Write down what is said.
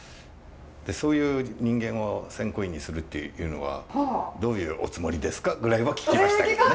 で「そういう人間を選考委員にするっていうのはどういうおつもりですか？」ぐらいは聞きましたけどね。